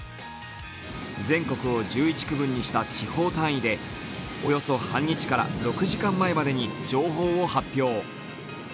全国を１１区分にした地方単位でおよそ半日から６時間前までに情報を発表。